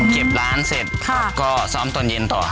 เก็บร้านเสร็จก็ซ้อมตอนเย็นต่อ